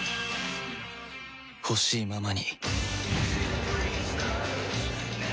ほしいままに